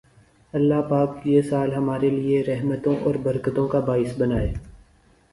الله پاک یہ سال ہمارے لیئے رحمتوں اور برکتوں کا باعث بنائے